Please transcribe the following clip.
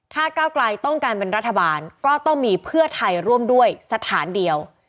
ถ้าก้าวไกลต้องการเป็นรัฐบาลก็ต้องมีเพื่อไทยร่วมด้วยสถานเดียว